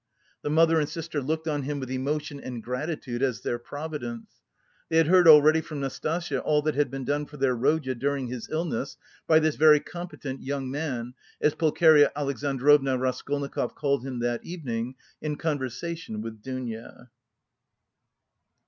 The mother and sister looked on him with emotion and gratitude, as their Providence. They had heard already from Nastasya all that had been done for their Rodya during his illness, by this "very competent young man," as Pulcheria Alexandrovna Raskolnikov called him that evening in conversation with Dounia.